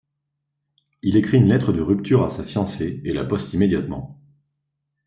Il écrit une lettre de rupture à sa fiancée et la poste immédiatement.